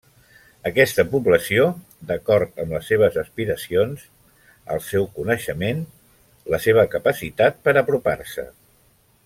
Aquesta població, d'acord amb les seves aspiracions, el seu coneixement, la seva capacitat per apropar-se.